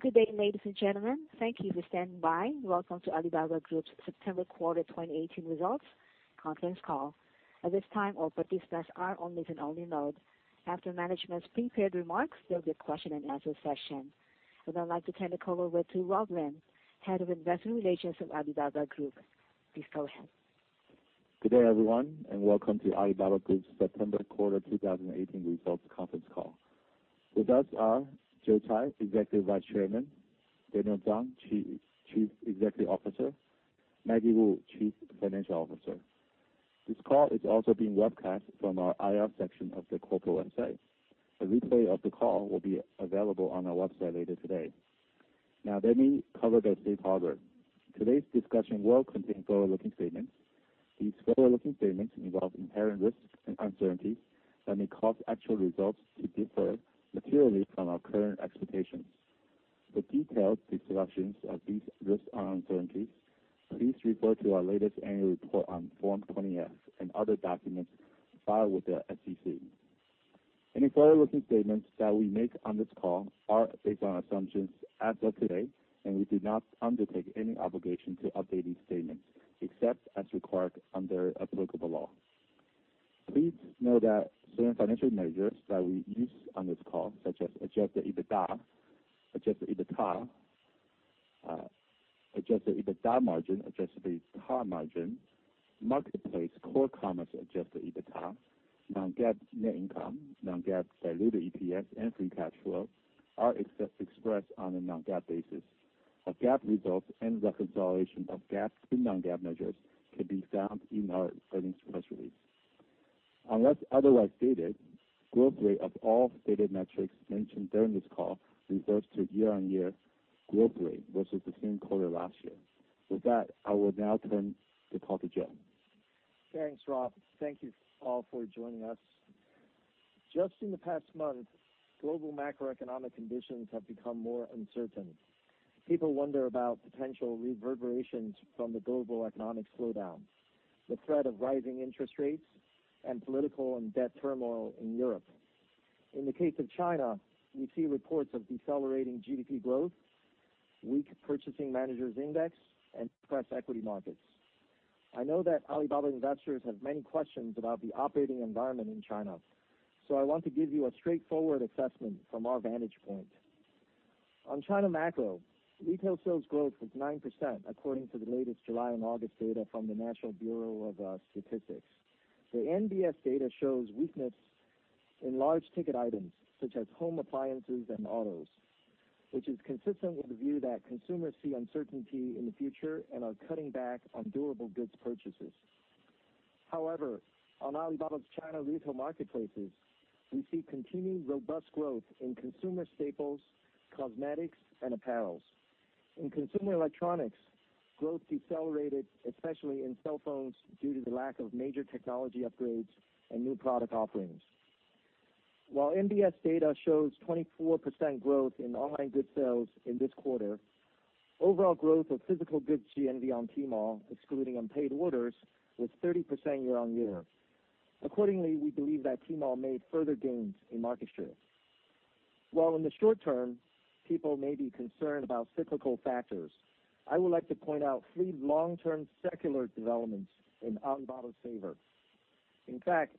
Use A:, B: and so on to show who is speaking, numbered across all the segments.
A: Good day, ladies and gentlemen. Thank you for standing by. Welcome to Alibaba Group's September quarter 2018 results conference call. At this time, all participants are on listen-only mode. After management's prepared remarks, there'll be a question-and-answer session. I would like to turn the call over to Rob Lin, Head of Investor Relations of Alibaba Group. Please go ahead.
B: Good day, everyone. Welcome to Alibaba Group's September quarter 2018 results conference call. With us are Joe Tsai, Executive Vice Chairman; Daniel Zhang, Chief Executive Officer; Maggie Wu, Chief Financial Officer. This call is also being webcast from our IR section of the corporate website. A replay of the call will be available on our website later today. Now, let me cover the safe harbor. Today's discussion will contain forward-looking statements. These forward-looking statements involve inherent risks and uncertainties that may cause actual results to differ materially from our current expectations. For detailed discussions of these risks and uncertainties, please refer to our latest annual report on Form 20-F and other documents filed with the SEC. Any forward-looking statements that we make on this call are based on assumptions as of today, and we do not undertake any obligation to update these statements except as required under applicable law. Please note that certain financial measures that we use on this call, such as adjusted EBITDA, adjusted EBITDA margin, marketplace core commerce adjusted EBITDA, non-GAAP net income, non-GAAP diluted EPS and free cash flow, are discussed expressed on a non-GAAP basis. Our GAAP results and reconciliation of GAAP to non-GAAP measures can be found in our earnings press release. Unless otherwise stated, growth rate of all stated metrics mentioned during this call refers to year-on-year growth rate versus the same quarter last year. With that, I will now turn the call to Joe.
C: Thanks, Rob. Thank you all for joining us. Just in the past month, global macroeconomic conditions have become more uncertain. People wonder about potential reverberations from the global economic slowdown, the threat of rising interest rates, and political and debt turmoil in Europe. In the case of China, we see reports of decelerating GDP growth, weak purchasing managers index, and depressed equity markets. I know that Alibaba investors have many questions about the operating environment in China, so I want to give you a straightforward assessment from our vantage point. On China macro, retail sales growth was 9%, according to the latest July and August data from the National Bureau of Statistics. The NBS data shows weakness in large ticket items such as home appliances and autos, which is consistent with the view that consumers see uncertainty in the future and are cutting back on durable goods purchases. However, on Alibaba's China retail marketplaces, we see continued robust growth in consumer staples, cosmetics, and apparels. In consumer electronics, growth decelerated, especially in cell phones, due to the lack of major technology upgrades and new product offerings. While NBS data shows 24% growth in online goods sales in this quarter, overall growth of physical goods GMV on Tmall, excluding unpaid orders, was 30% year-on-year. Accordingly, we believe that Tmall made further gains in market share. While in the short term, people may be concerned about cyclical factors, I would like to point out three long-term secular developments in Alibaba's favor. In fact,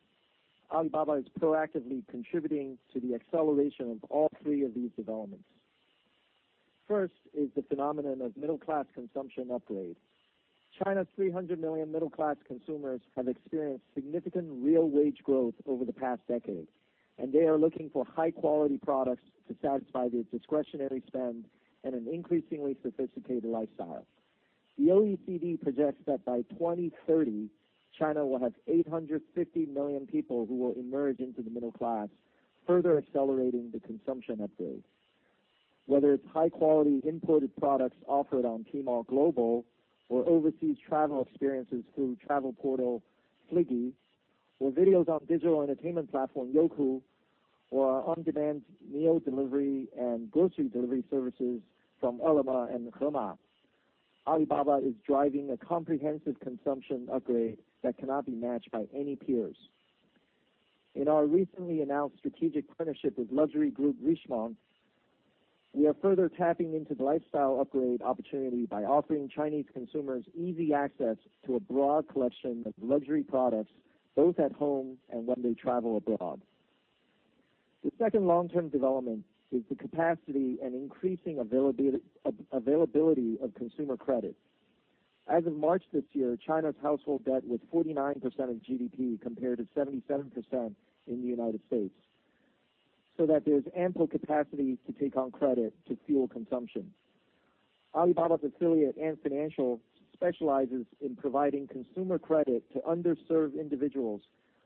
C: Alibaba is proactively contributing to the acceleration of all three of these developments. First is the phenomenon of middle-class consumption upgrade. China's 300 million middle-class consumers have experienced significant real wage growth over the past decade, and they are looking for high-quality products to satisfy their discretionary spend and an increasingly sophisticated lifestyle. The OECD projects that by 2030, China will have 850 million people who will emerge into the middle class, further accelerating the consumption upgrade. Whether it's high-quality imported products offered on Tmall Global, or overseas travel experiences through travel portal Fliggy, or videos on digital entertainment platform Youku, or on-demand meal delivery and grocery delivery services from Ele.me and Hema, Alibaba is driving a comprehensive consumption upgrade that cannot be matched by any peers. In our recently announced strategic partnership with luxury group Richemont, we are further tapping into the lifestyle upgrade opportunity by offering Chinese consumers easy access to a broad collection of luxury products, both at home and when they travel abroad. The second long-term development is the capacity and increasing availability of consumer credit. As of March this year, China's household debt was 49% of GDP, compared to 77% in the U.S., so that there's ample capacity to take on credit to fuel consumption. Alibaba's affiliate, Ant Financial, specializes in providing consumer credit to underserved individuals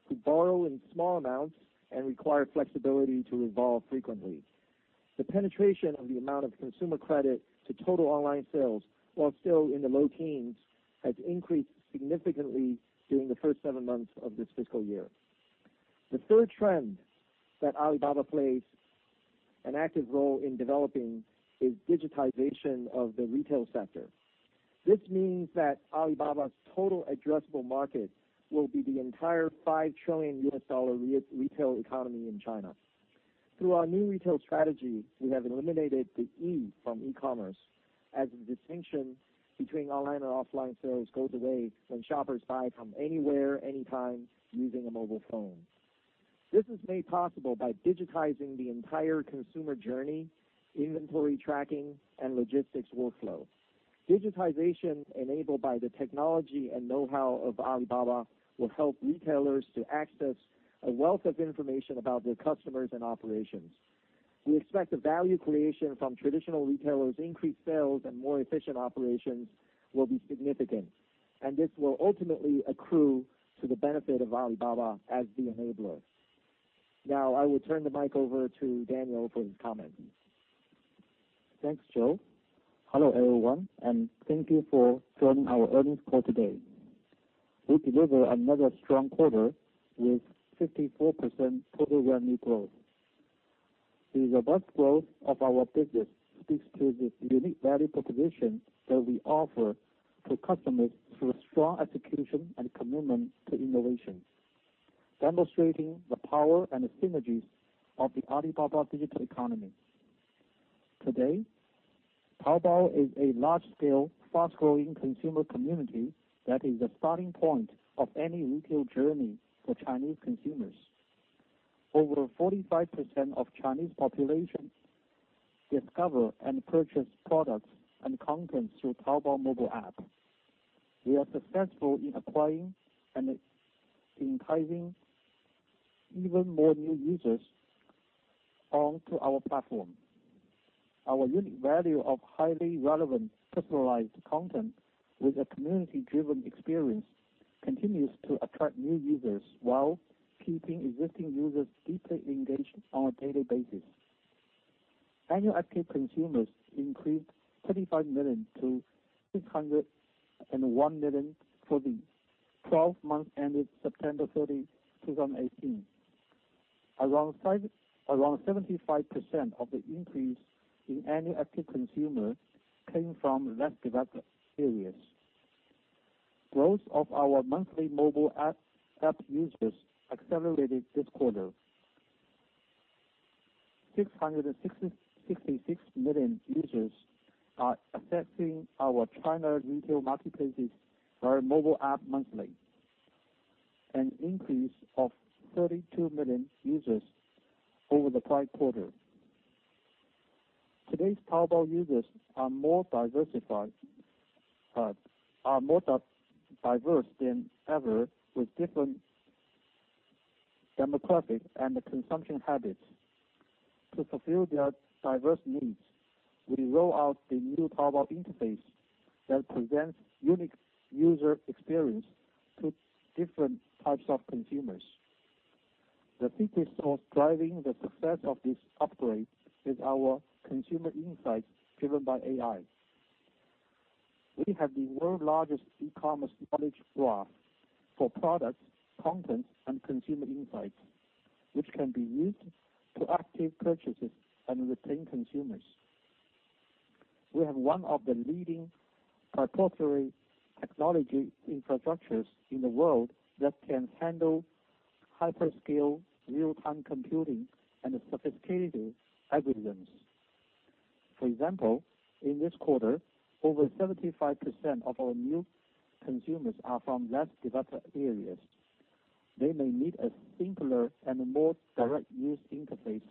C: who borrow in small amounts and require flexibility to revolve frequently. The penetration of the amount of consumer credit to total online sales, while still in the low teens, has increased significantly during the first seven months of this fiscal year. The third trend that Alibaba plays an active role in developing is digitization of the retail sector. This means that Alibaba's total addressable market will be the entire $5 trillion U.S. retail economy in China. Through our new retail strategy, we have eliminated the E from e-commerce as the distinction between online and offline sales goes away when shoppers buy from anywhere, anytime using a mobile phone. This is made possible by digitizing the entire consumer journey, inventory tracking, and logistics workflow. Digitization enabled by the technology and know-how of Alibaba will help retailers to access a wealth of information about their customers and operations. We expect the value creation from traditional retailers' increased sales and more efficient operations will be significant, and this will ultimately accrue to the benefit of Alibaba as the enabler. Now, I will turn the mic over to Daniel for his comments.
D: Thanks, Joe. Hello, everyone, thank you for joining our earnings call today. We delivered another strong quarter with 54% total revenue growth. The robust growth of our business speaks to the unique value proposition that we offer to customers through strong execution and commitment to innovation, demonstrating the power and synergies of the Alibaba digital economy. Today, Taobao is a large-scale, fast-growing consumer community that is the starting point of any retail journey for Chinese consumers. Over 45% of Chinese population discover and purchase products and content through Taobao mobile app. We are successful in acquiring and enticing even more new users onto our platform. Our unique value of highly relevant, personalized content with a community-driven experience continues to attract new users while keeping existing users deeply engaged on a daily basis. Annual active consumers increased 35 million to 601 million for the 12 months ended September 30, 2018. Around 75% of the increase in annual active consumers came from less developed areas. Growth of our monthly mobile app users accelerated this quarter. 666 million users are accessing our China retail marketplaces via our mobile app monthly, an increase of 32 million users over the prior quarter. Today's Taobao users are more diverse than ever, with different demographics and consumption habits. To fulfill their diverse needs, we roll out the new Taobao interface that presents unique user experience to different types of consumers. The biggest source driving the success of this upgrade is our consumer insights driven by AI. We have the world's largest e-commerce knowledge graph for products, content and consumer insights, which can be used to activate purchases and retain consumers. We have one of the leading proprietary technology infrastructures in the world that can handle hyperscale real-time computing and sophisticated algorithms. For example, in this quarter, over 75% of our new consumers are from less developed areas. They may need a simpler and more direct user interface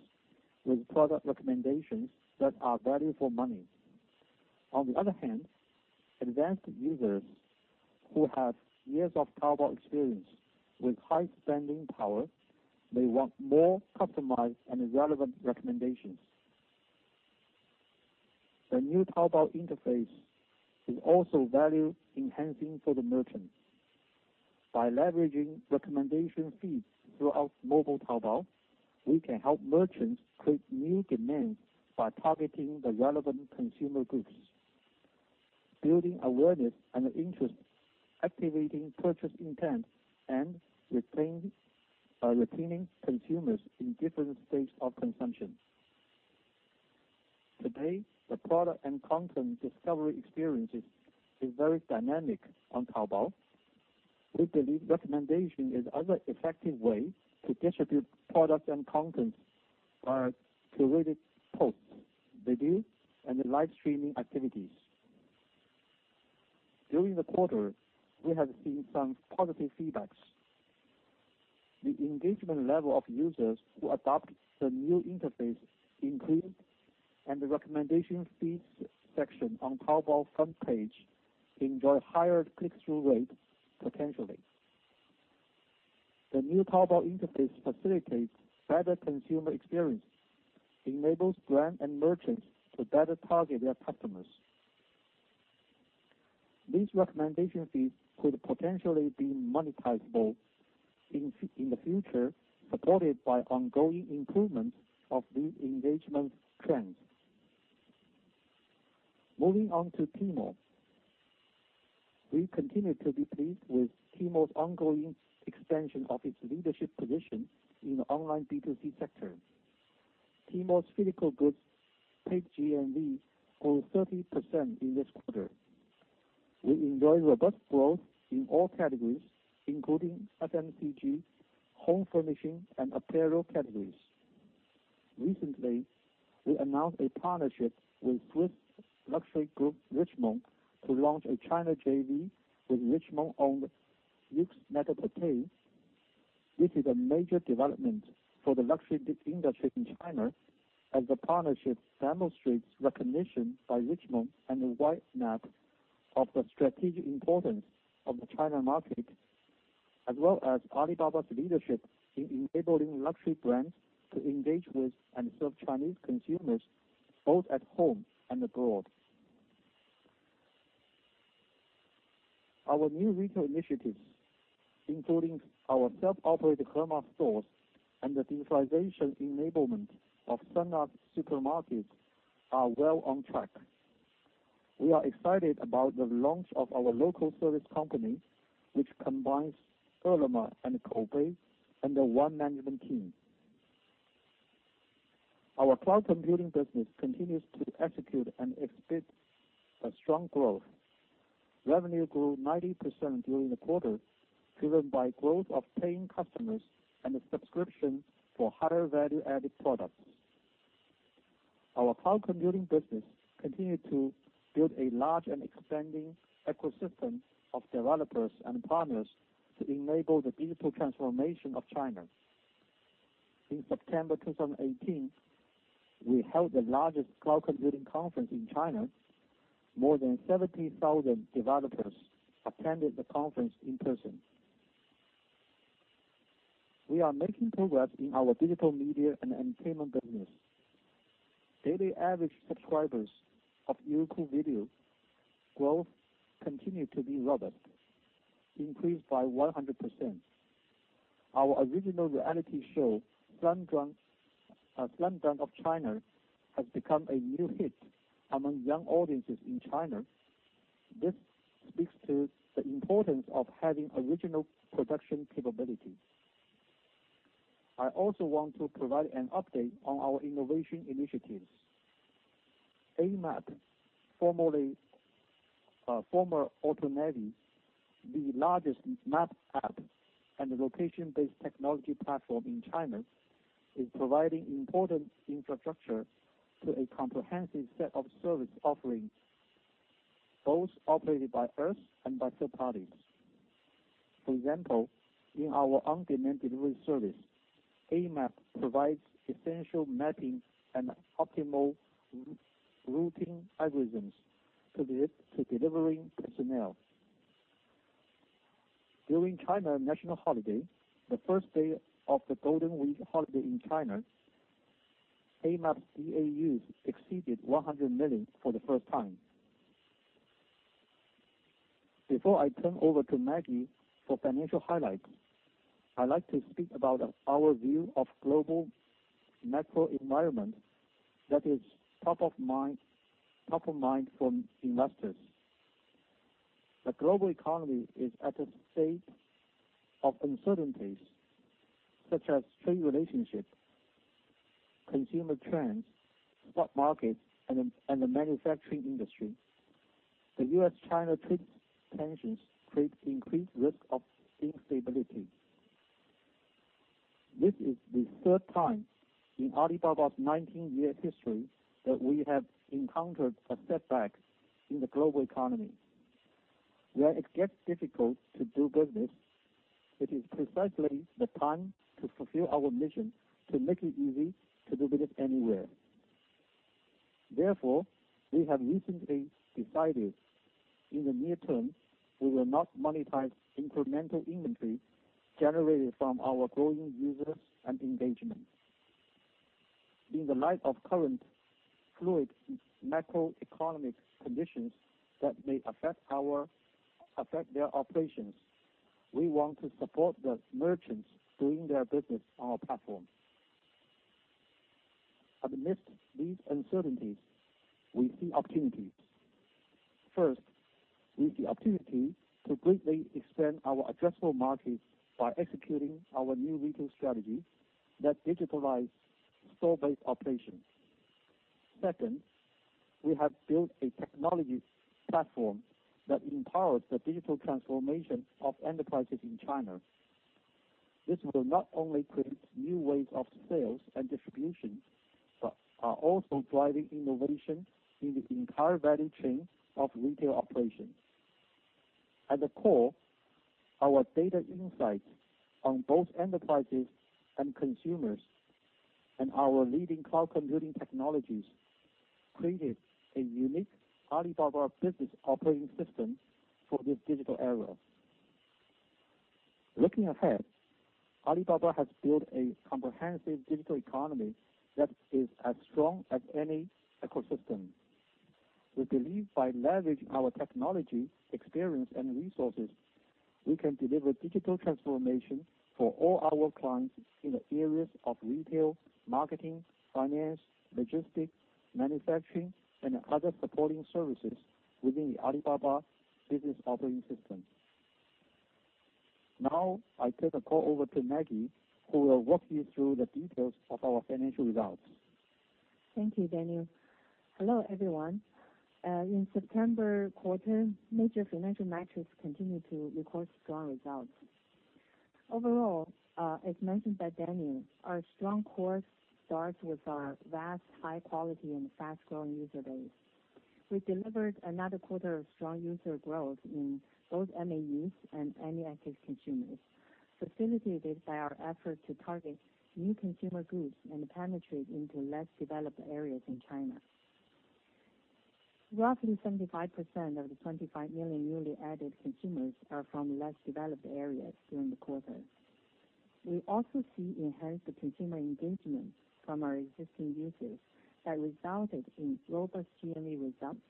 D: with product recommendations that are value for money. On the other hand, advanced users who have years of Taobao experience with high spending power may want more customized and relevant recommendations. The new Taobao interface is also value-enhancing for the merchant. By leveraging recommendation feeds throughout mobile Taobao, we can help merchants create new demand by targeting the relevant consumer groups, building awareness and interest, activating purchase intent, and retaining consumers in different stages of consumption. Today, the product and content discovery experiences is very dynamic on Taobao. We believe recommendation is other effective way to distribute products and content via curated posts, videos, and live streaming activities. During the quarter, we have seen some positive feedbacks. The engagement level of users who adopt the new interface increased, the recommendation feeds section on Taobao front page enjoy higher click-through rate, potentially. The new Taobao interface facilitates better consumer experience, enables brand and merchants to better target their customers. These recommendation feeds could potentially be monetizable in the future, supported by ongoing improvement of these engagement trends. Moving on to Tmall. We continue to be pleased with Tmall's ongoing expansion of its leadership position in the online B2C sector. Tmall's physical goods paid GMV grew 30% in this quarter. We enjoyed robust growth in all categories, including FMCG, home furnishing, and apparel categories. Recently, we announced a partnership with Swiss luxury group Richemont to launch a China JV with Richemont-owned Yoox Net-a-Porter. This is a major development for the luxury industry in China as the partnership demonstrates recognition by Richemont and YNAP of the strategic importance of the China market, as well as Alibaba's leadership in enabling luxury brands to engage with and serve Chinese consumers both at home and abroad. Our new retail initiatives, including our self-operate Hema stores and the digitalization enablement of Sun Art Supermarket, are well on track. We are excited about the launch of our local service company, which combines Hema and Koubei under one management team. Our cloud computing business continues to execute and exhibit a strong growth. Revenue grew 90% during the quarter, driven by growth of paying customers and the subscription for higher value-added products. Our cloud computing business continued to build a large and expanding ecosystem of developers and partners to enable the digital transformation of China. In September 2018, we held the largest cloud computing conference in China. More than 70,000 developers attended the conference in person. We are making progress in our digital media and entertainment business. Daily average subscribers of Youku video growth continued to be robust, increased by 100%. Our original reality show, "Slam Dunk of China," has become a new hit among young audiences in China. This speaks to the importance of having original production capabilities. I also want to provide an update on our innovation initiatives. Amap, former AutoNavi, the largest maps app and location-based technology platform in China, is providing important infrastructure to a comprehensive set of service offerings, both operated by us and by third parties. For example, in our on-demand delivery service, Amap provides essential mapping and optimal routing algorithms to delivering personnel. During China National Holiday, the first day of the Golden Week holiday in China, Amap's DAUs exceeded 100 million for the first time. Before I turn over to Maggie for financial highlights, I'd like to speak about our view of global macro environment that is top of mind from investors. The global economy is at a state of uncertainties, such as trade relationship, consumer trends, stock market, and the manufacturing industry. The U.S.-China trade tensions create increased risk of instability. This is the third time in Alibaba's 19-year history that we have encountered a setback in the global economy. Where it gets difficult to do business, it is precisely the time to fulfill our mission to make it easy to do business anywhere. We have recently decided, in the near term, we will not monetize incremental inventory generated from our growing users and engagement. In the light of current fluid macroeconomic conditions that may affect their operations, we want to support the merchants doing their business on our platform. Amidst these uncertainties, we see opportunities. First, with the opportunity to greatly expand our addressable markets by executing our new retail strategy that digitalize store-based operations. Second, we have built a technology platform that empowers the digital transformation of enterprises in China. This will not only create new ways of sales and distribution, but are also driving innovation in the entire value chain of retail operations. At the core, our data insights on both enterprises and consumers and our leading cloud computing technologies created a unique Alibaba business operating system for this digital era. Looking ahead, Alibaba has built a comprehensive digital economy that is as strong as any ecosystem. We believe by leveraging our technology, experience, and resources, we can deliver digital transformation for all our clients in the areas of retail, marketing, finance, logistics, manufacturing, and other supporting services within the Alibaba business operating system. I turn the call over to Maggie, who will walk you through the details of our financial results.
E: Thank you, Daniel. Hello, everyone. In September quarter, major financial metrics continued to record strong results. Overall, as mentioned by Daniel, our strong course starts with our vast, high quality and fast-growing user base. We delivered another quarter of strong user growth in both MAUs and annual active consumers, facilitated by our effort to target new consumer groups and penetrate into less developed areas in China. Roughly 75% of the 25 million newly added consumers are from less developed areas during the quarter. We also see enhanced consumer engagement from our existing users that resulted in robust GMV results,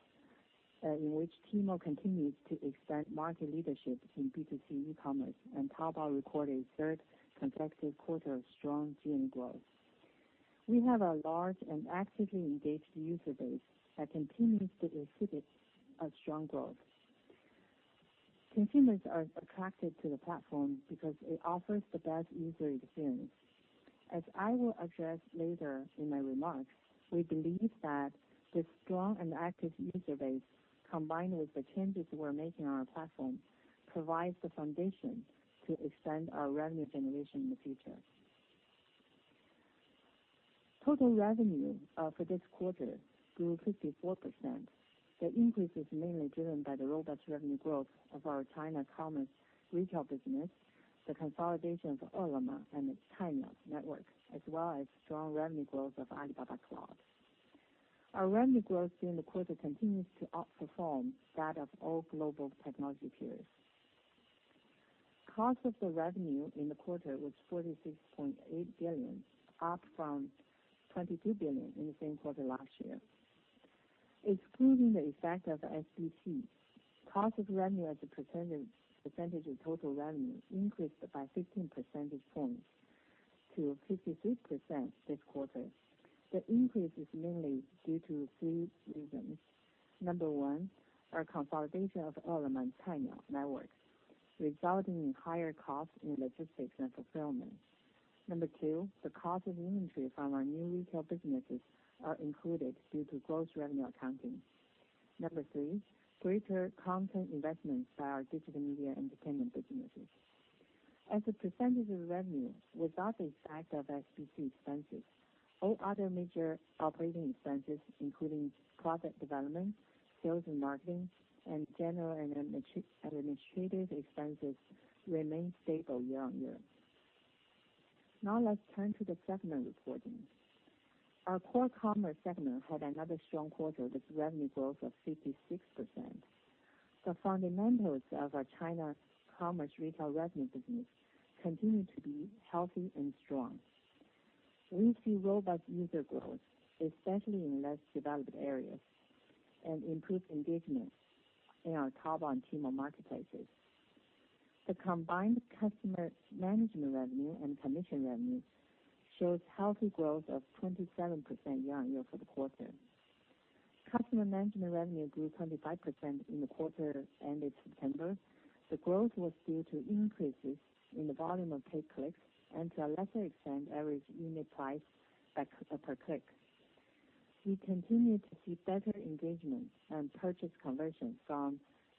E: in which Tmall continues to extend market leadership in B2C e-commerce, and Taobao recorded a third consecutive quarter of strong GMV growth. We have a large and actively engaged user base that continues to exhibit a strong growth. Consumers are attracted to the platform because it offers the best user experience. As I will address later in my remarks, we believe that this strong and active user base, combined with the changes we're making on our platform, provides the foundation to extend our revenue generation in the future. Total revenue for this quarter grew 54%. The increase is mainly driven by the robust revenue growth of our China commerce retail business, the consolidation of Ele.me and its Cainiao network, as well as strong revenue growth of Alibaba Cloud. Our revenue growth during the quarter continues to outperform that of all global technology peers. Cost of the revenue in the quarter was 46.8 billion, up from 22 billion in the same quarter last year. Excluding the effect of the SBC, cost of revenue as a percentage of total revenue increased by 15 percentage points to 53% this quarter. The increase is mainly due to three reasons. Number one, our consolidation of Ele.me and Cainiao networks, resulting in higher costs in logistics and fulfillment. Number two, the cost of inventory from our new retail businesses are included due to gross revenue accounting. Number three, greater content investments by our digital media and entertainment businesses. As a percentage of revenue, without the effect of SBC expenses, all other major operating expenses including product development, sales and marketing, and general and administrative expenses remained stable year-on-year. Let's turn to the segment reporting. Our core commerce segment had another strong quarter with revenue growth of 56%. The fundamentals of our China commerce retail revenue business continue to be healthy and strong. We see robust user growth, especially in less developed areas, and improved engagement in our Taobao and Tmall marketplaces. The combined customer management revenue and commission revenue shows healthy growth of 27% year-on-year for the quarter. Customer management revenue grew 25% in the quarter ended September. The growth was due to increases in the volume of paid clicks and, to a lesser extent, average unit price per click. We continue to see better engagement and purchase conversions from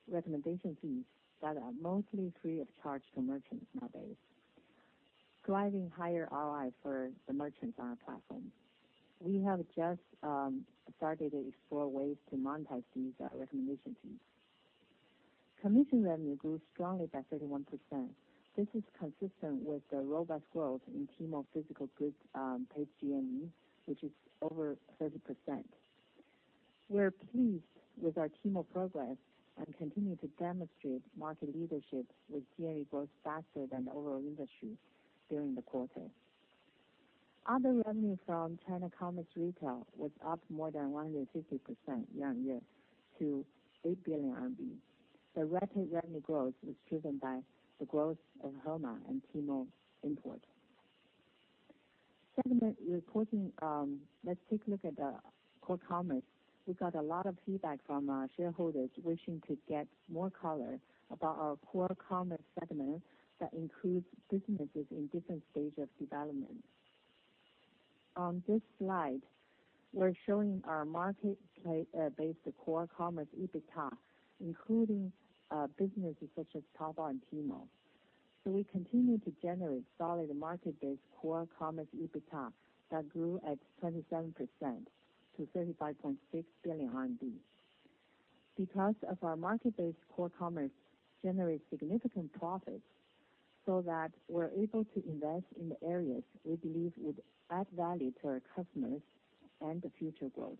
E: recommendation fees that are mostly free of charge to merchants nowadays, driving higher ROIs for the merchants on our platform. We have just started to explore ways to monetize these recommendation fees. Commission revenue grew strongly by 31%. This is consistent with the robust growth in Tmall physical goods GMV, which is over 30%. We are pleased with our Tmall progress and continue to demonstrate market leadership with GMV growth faster than the overall industry during the quarter. Other revenue from China commerce retail was up more than 150% year-on-year to 8 billion RMB. The rapid revenue growth was driven by the growth of Hema and Tmall Imports. Segment reporting. Let's take a look at the core commerce. We got a lot of feedback from our shareholders wishing to get more color about our core commerce segment that includes businesses in different stage of development. On this slide, we're showing our market-based core commerce EBITDA, including businesses such as Taobao and Tmall. We continue to generate solid market-based core commerce EBITDA that grew at 27% to 35.6 billion RMB. Because of our market-based core commerce generates significant profits, so that we're able to invest in the areas we believe would add value to our customers and the future growth.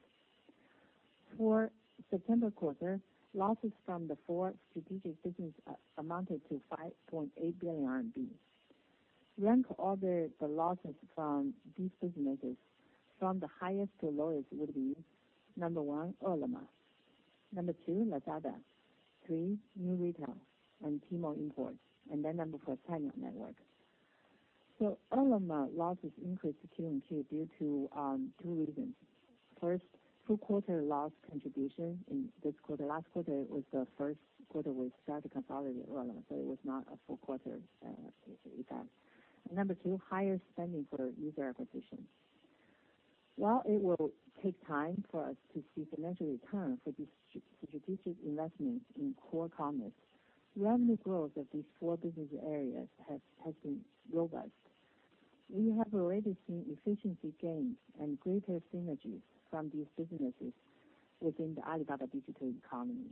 E: For September quarter, losses from the four strategic businesses amounted to 5.8 billion RMB. Rank order the losses from these businesses from the highest to lowest would be: number one, Ele.me. Number two, Lazada. Three, New Retail and Tmall Imports. Number four, Cainiao Network. Ele.me losses increased quarter-on-quarter due to two reasons. First, full quarter loss contribution in this quarter. Last quarter was the first quarter we started to consolidate Ele.me, so it was not a full quarter EBITDA. Number two, higher spending for user acquisition. While it will take time for us to see financial return for these strategic investments in core commerce, revenue growth of these four business areas has been robust. We have already seen efficiency gains and greater synergies from these businesses within the Alibaba digital economy.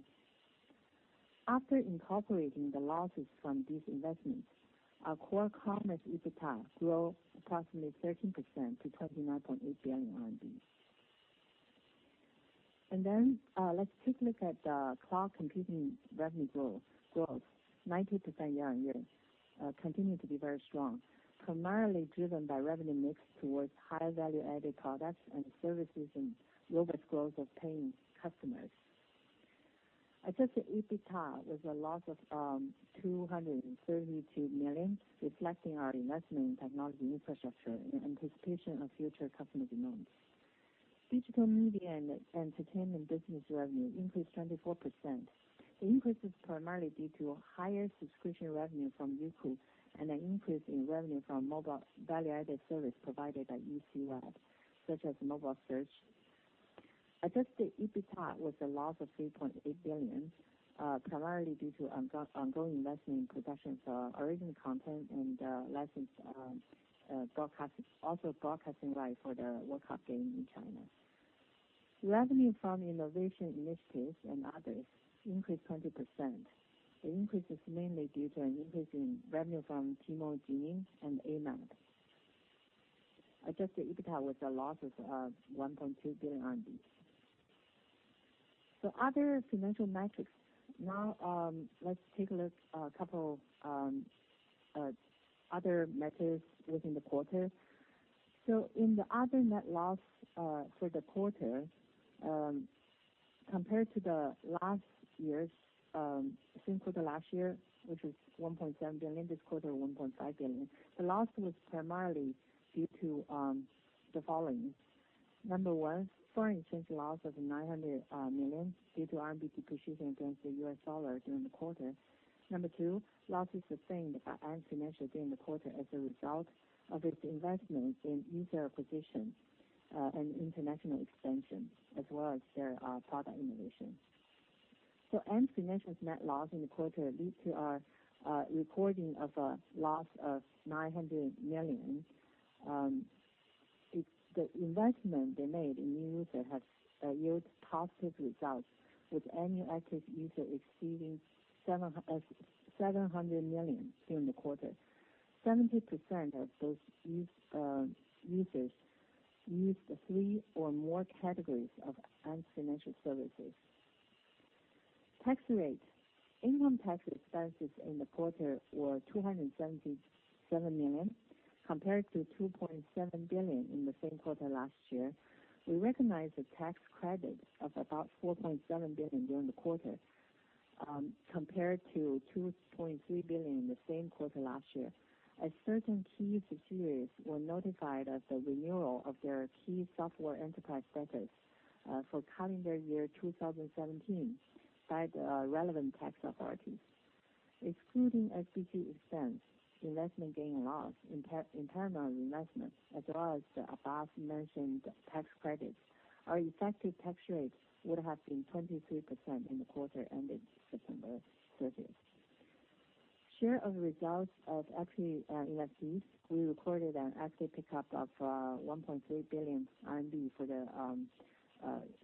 E: After incorporating the losses from these investments, our core commerce EBITDA grew approximately 13% to 29.8 billion RMB. Let's take a look at the cloud computing revenue growth, 19% year-on-year. Continue to be very strong, primarily driven by revenue mix towards higher value-added products and services and robust growth of paying customers. Adjusted EBITDA was a loss of 232 million, reflecting our investment in technology infrastructure in anticipation of future customer demands. Digital media and entertainment business revenue increased 24%. The increase is primarily due to higher subscription revenue from Youku and an increase in revenue from mobile value-added service provided by UCWeb, such as mobile search. Adjusted EBITDA was a loss of 3.8 billion, primarily due to ongoing investment in production for original content and licensed broadcast, also broadcasting rights for the World Cup games in China. Revenue from innovation initiatives and others increased 20%. The increase is mainly due to an increase in revenue from Tmall Genie and Amap. Adjusted EBITDA was a loss of RMB 1.2 billion. Other financial metrics. Now let's take a look a couple other metrics within the quarter. In the other net loss for the quarter, compared to the same quarter last year, which was 1.7 billion, this quarter 1.5 billion. The loss was primarily due to the following. Number one, foreign exchange loss of 900 million due to RMB depreciation against the U.S. dollar during the quarter. Number two, losses sustained by Ant Financial during the quarter as a result of its investment in user acquisition and international expansion, as well as their product innovation. Ant Financial's net loss in the quarter leads to our reporting of a loss of 900 million. The investment they made in New Retail has yield positive results, with annual active user exceeding 700 million during the quarter. 70% of those users used 3 or more categories of Ant Financial services. Tax rate. Income tax expenses in the quarter were 277 million, compared to 2.7 billion in the same quarter last year. We recognized a tax credit of about 4.7 billion during the quarter, compared to 2.3 billion in the same quarter last year. As certain key subsidiaries were notified of the renewal of their key software enterprise status for calendar year 2017 by the relevant tax authorities. Excluding FTT expense, investment gain and loss, internal reinvestment, as well as the above-mentioned tax credits, our effective tax rate would have been 23% in the quarter ended September 30th. Share of results of equity investees. We recorded an asset pickup of 1.3 billion RMB for the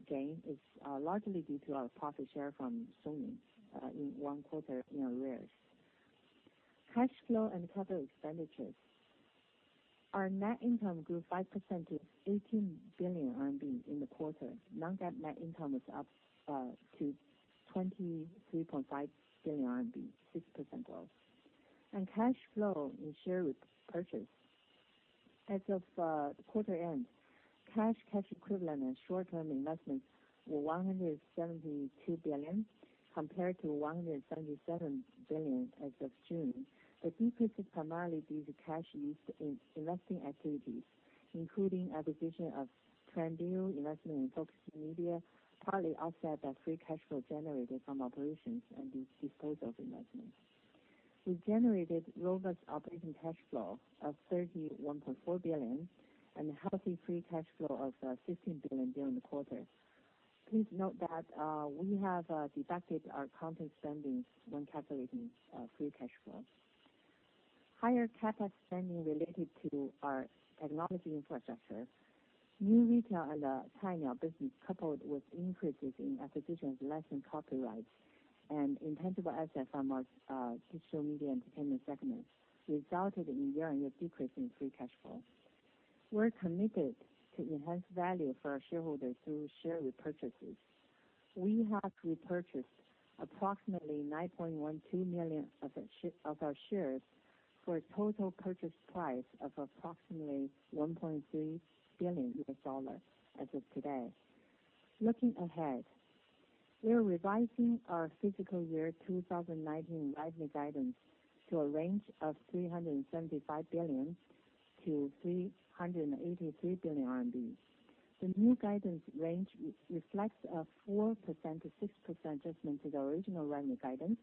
E: gain. It's largely due to our profit share from Zhongming in one quarter year-on-years. Cash flow and capital expenditures. Our net income grew 5% to 18 billion RMB in the quarter. Non-GAAP net income was up to 23.5 billion RMB, 6% growth. Cash flow in share repurchase. As of quarter end, cash equivalent and short-term investments were 172 billion, compared to 177 billion as of June. The decrease is primarily due to cash used in investing activities, including acquisition of Trendyol, investment in Focus Media, partly offset by free cash flow generated from operations and the disposal of investments. We generated robust operating cash flow of 31.4 billion and a healthy free cash flow of 15 billion during the quarter. Please note that we have deducted our content spendings when calculating free cash flow. Higher CAPEX spending related to our technology infrastructure, New Retail and the Cainiao business, coupled with increases in acquisitions, license, copyrights, and intangible assets from our digital media and entertainment segment, resulted in year-on-year decrease in free cash flow. We're committed to enhance value for our shareholders through share repurchases. We have repurchased approximately 9.12 million of our shares for a total purchase price of approximately $1.3 billion as of today. Looking ahead, we are revising our fiscal year 2019 revenue guidance to a range of 375 billion to 383 billion RMB. The new guidance range reflects a 4%-6% adjustment to the original revenue guidance.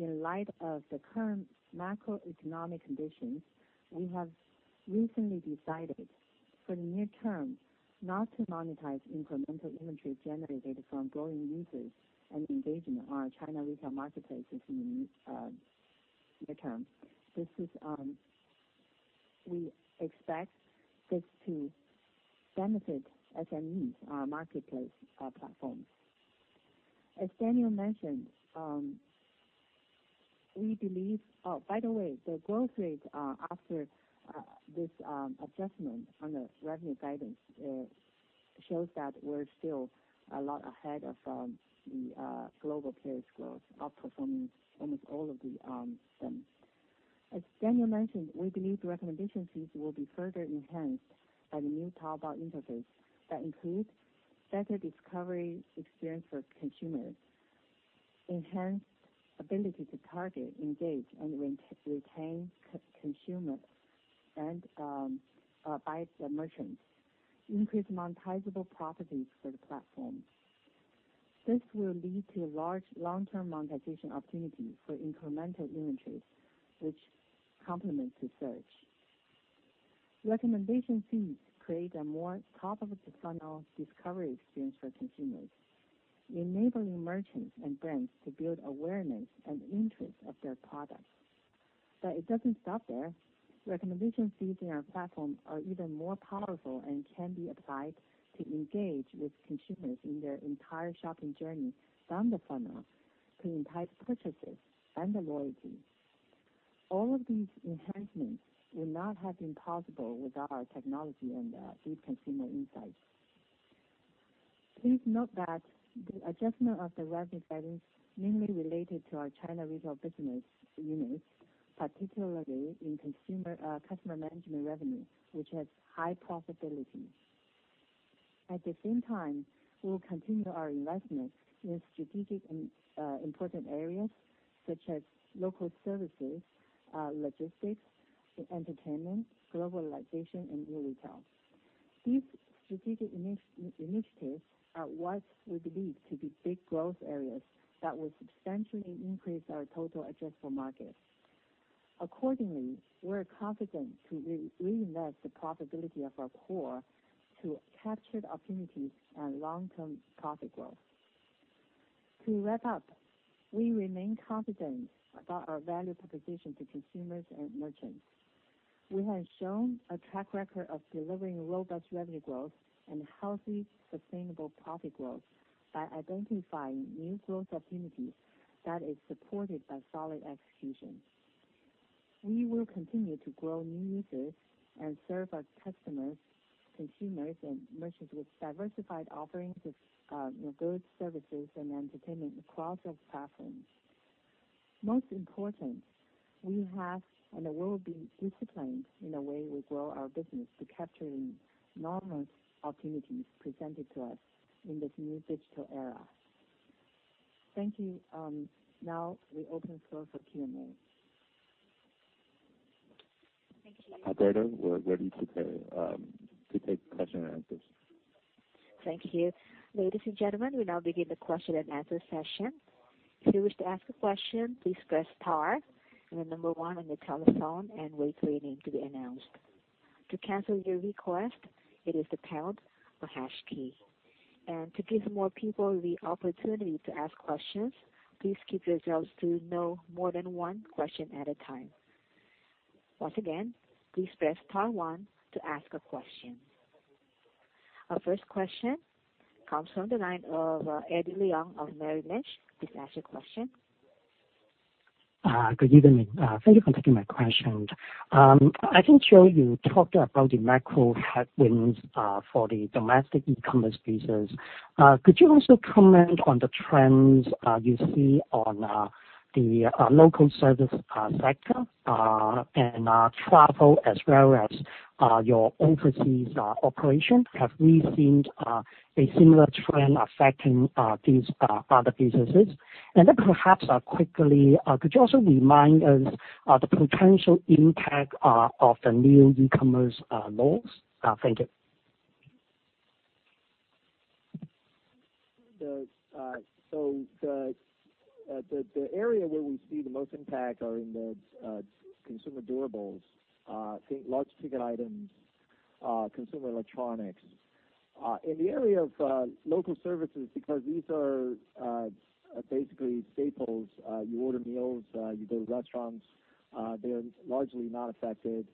E: In light of the current macroeconomic conditions, we have recently decided for the near term, not to monetize incremental inventory generated from growing users and engaging our China retail marketplaces in the near term. We expect this to benefit SMEs, our marketplace platforms. By the way, the growth rate after this adjustment on the revenue guidance shows that we're still a lot ahead of the global peers growth, outperforming almost all of them. As Daniel mentioned, we believe the recommendation fees will be further enhanced by the new Taobao interface that includes better discovery experience for consumers, enhanced ability to target, engage, and retain consumers and by the merchants, increased monetizable properties for the platform. This will lead to large long-term monetization opportunities for incremental inventories, which complements the search. Recommendation feeds create a more top-of-the-funnel discovery experience for consumers, enabling merchants and brands to build awareness and interest of their products. It doesn't stop there. Recommendation feeds in our platform are even more powerful and can be applied to engage with consumers in their entire shopping journey, from the funnel to entice purchases and the loyalty. All of these enhancements would not have been possible without our technology and deep consumer insights. Please note that the adjustment of the revenue guidance mainly related to our China retail business units, particularly in customer management revenue, which has high profitability. At the same time, we will continue our investment in strategic and important areas such as local services, logistics, entertainment, globalization, and new retail. These strategic initiatives are what we believe to be big growth areas that will substantially increase our total addressable market. Accordingly, we're confident to reinvest the profitability of our core to capture the opportunities and long-term profit growth. To wrap up, we remain confident about our value proposition to consumers and merchants. We have shown a track record of delivering robust revenue growth and healthy, sustainable profit growth by identifying new growth opportunities that is supported by solid execution. We will continue to grow new users and serve our customers, consumers, and merchants with diversified offerings of goods, services, and entertainment across our platforms. Most important, we have and will be disciplined in the way we grow our business to capturing enormous opportunities presented to us in this new digital era. Thank you. Now we open the floor for Q&A.
A: Thank you.
B: Alberto, we're ready to take question and answers.
A: Thank you. Ladies and gentlemen, we now begin the question and answer session. If you wish to ask a question, please press star and the number 1 on your telephone and wait for your name to be announced. To cancel your request, it is the pound or hash key. To give more people the opportunity to ask questions, please keep yourselves to no more than 1 question at a time. Once again, please press star 1 to ask a question. Our first question comes from the line of Eddie Leung of Merrill Lynch. Please ask your question.
F: Good evening. Thank you for taking my questions. I think Joe, you talked about the macro headwinds for the domestic e-commerce business. Could you also comment on the trends you see on the local service sector and travel as well as your overseas operations? Have we seen a similar trend affecting these other businesses? Then perhaps quickly, could you also remind us the potential impact of the new e-commerce laws? Thank you.
E: The area where we see the most impact are in the consumer durables. Think large ticket items, consumer electronics. In the area of local services, because these are basically staples, you order meals, you go to restaurants, they're largely not affected.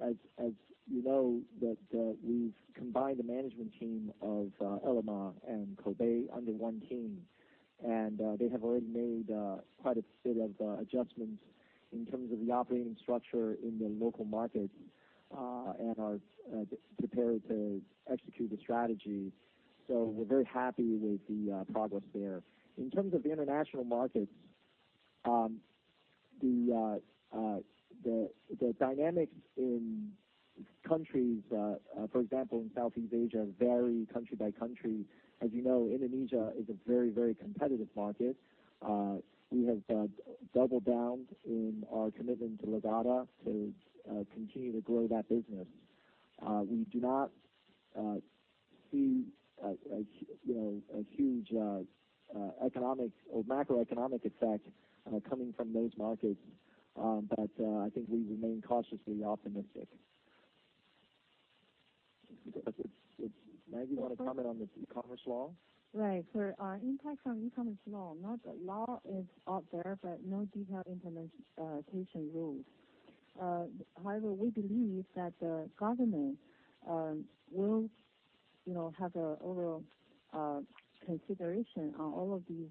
E: As you know that we've combined the management team of Ele.me and Koubei under 1 team, and they have already made quite a bit of adjustments in terms of the operating structure in the local market and are prepared to execute the strategy. We're very happy with the progress there. In terms of the international markets
C: The dynamics in countries, for example, in Southeast Asia, vary country by country. As you know, Indonesia is a very, very competitive market. We have double-downed in our commitment to Lazada to continue to grow that business. We do not see a huge macroeconomic effect coming from those markets. I think we remain cautiously optimistic. Maggie, you want to comment on the e-commerce law?
E: Right. For our impact on e-commerce law is out there, but no detailed implementation rules. However, we believe that the government will have an overall consideration on all of these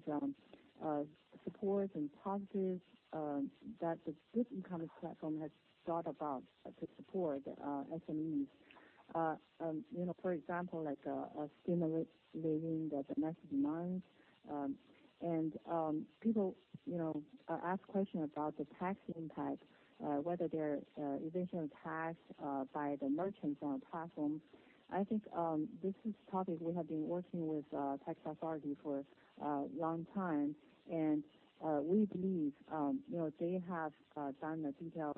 E: supports and positives that this group e-commerce platform has thought about to support SMEs. For example, stimulating the domestic demand. People ask questions about the tax impact, whether there is additional tax by the merchants on the platform. I think this is a topic we have been working with tax authority for a long time, and we believe they have done a detailed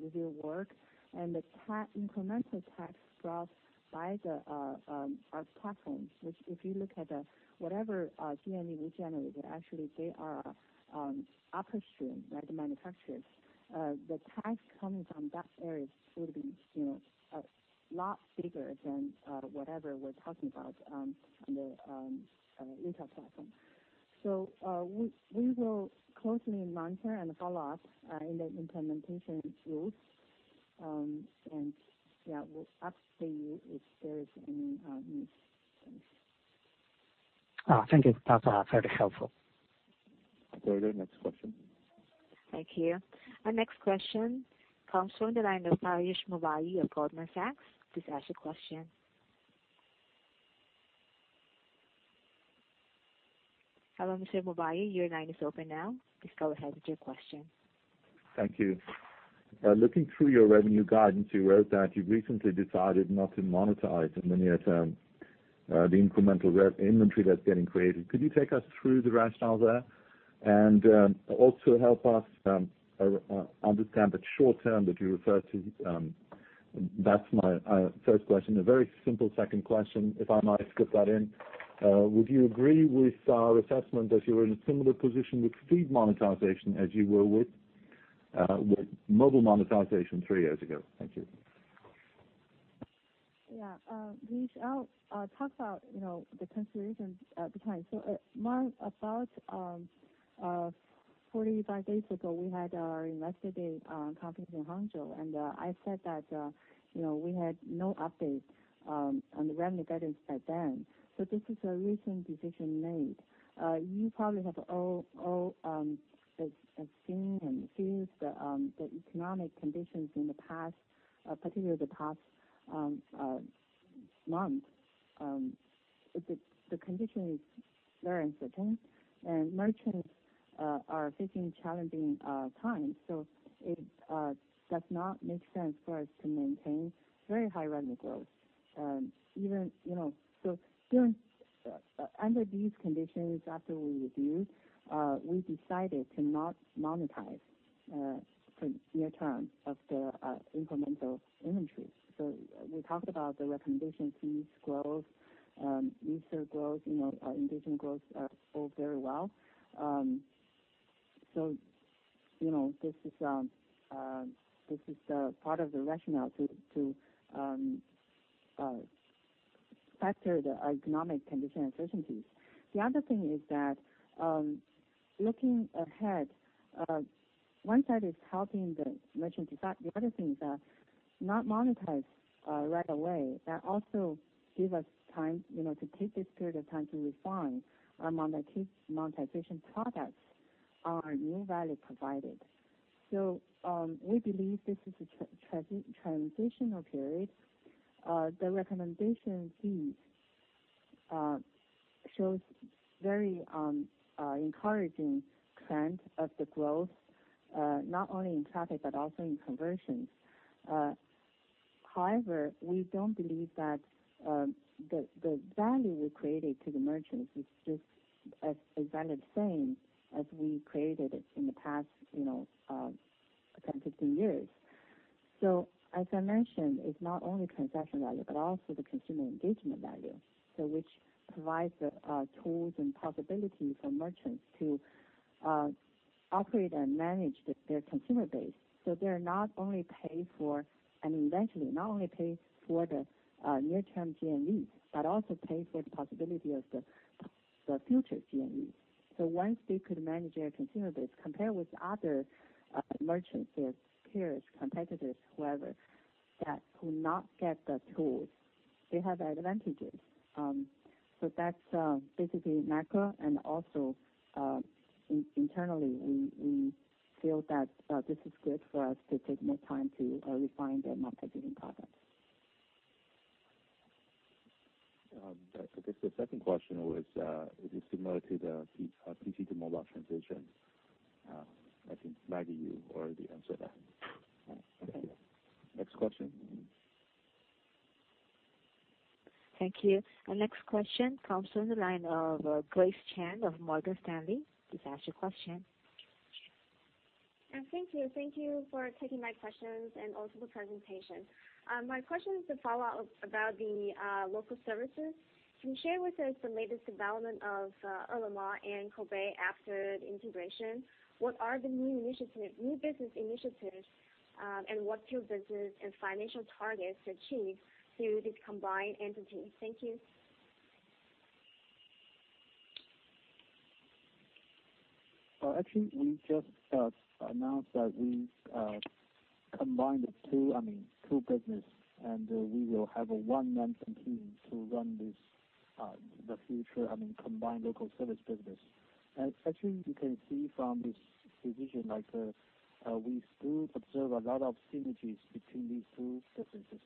E: review work. The incremental tax brought by our platforms, which if you look at whatever GMV we generated, actually they are upstream, like the manufacturers. The tax coming from that area would have been a lot bigger than whatever we're talking about on the retail platform. We will closely monitor and follow up in the implementation rules. Yeah, we'll update you if there is any news. Thanks.
F: Thank you. That's very helpful.
B: Operator, next question.
A: Thank you. Our next question comes from the line of Piyush Mubayi of Goldman Sachs. Please ask your question. Hello, Mr. Mubayi, your line is open now. Please go ahead with your question.
G: Thank you. Looking through your revenue guidance, you wrote that you recently decided not to monetize in the near term, the incremental rev inventory that's getting created. Could you take us through the rationale there? Also help us understand the short term that you refer to? That's my first question. A very simple second question, if I might skip that in. Would you agree with our assessment that you are in a similar position with feed monetization as you were with mobile monetization three years ago? Thank you.
E: Yeah. I'll talk about the considerations behind. About 45 days ago, we had our Investor Day conference in Hangzhou, I said that we had no update on the revenue guidance back then. This is a recent decision made. You probably have all seen and feel the economic conditions in the past, particularly the past month. The condition is very uncertain, merchants are facing challenging times. It does not make sense for us to maintain very high revenue growth. Under these conditions, after we reviewed, we decided to not monetize for near term of the incremental inventory. We talked about the recommendation fees growth, research growth, engagement growth are all very well. This is part of the rationale to factor the economic condition uncertainties. The other thing is that looking ahead, one side is helping the merchant. In fact, the other thing is that not monetize right away, that also give us time, to take this period of time to refine our monetization products, our new value provided. We believe this is a transitional period. The recommendation fees shows very encouraging trend of the growth, not only in traffic but also in conversions. However, we don't believe that the value we created to the merchants is just as valid same as we created it in the past 10, 15 years. As I mentioned, it's not only transaction value, but also the consumer engagement value. Which provides the tools and possibility for merchants to operate and manage their consumer base. They're not only pay for, and eventually, not only pay for the near-term GMV, but also pay for the possibility of the future GMV. Once they could manage their consumer base, compare with other merchants, their peers, competitors, whoever, that could not get the tools, they have advantages. That's basically macro and also internally, we feel that this is good for us to take more time to refine the monetization products.
D: I guess the second question was, is it similar to the PC to mobile transition? I think, Maggie, you already answered that.
E: Okay.
D: Next question.
A: Thank you. Our next question comes from the line of Grace Chan of Morgan Stanley. Please ask your question.
H: Thank you. Thank you for taking my questions and also the presentation. My question is a follow-up about the local services. Can you share with us the latest development of Ele.me and Koubei after the integration? What are the new business initiatives, and what's your business and financial targets to achieve through this combined entity? Thank you.
D: We just announced that we combined the two businesses, and we will have a one management team to run the future combined local service business. Actually, you can see from this division, we still observe a lot of synergies between these two businesses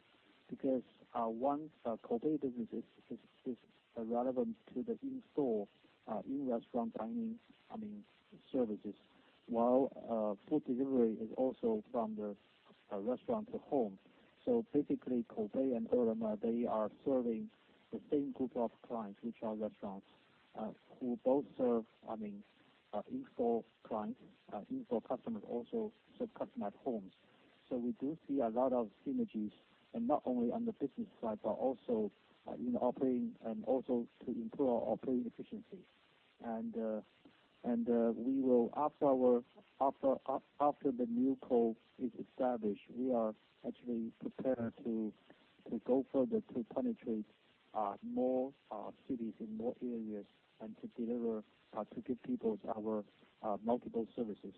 D: because one, our Koubei business is relevant to the in-store, in-restaurant dining services. While food delivery is also from the restaurant to home. Basically, Koubei and Ele.me, they are serving the same group of clients, which are restaurants, who both serve in-store customers, also serve customers at homes. We do see a lot of synergies, and not only on the business side, but also in operating and also to improve our operating efficiency. After the new pool is established, we are actually prepared to go further to penetrate more cities in more areas and to give people our multiple services.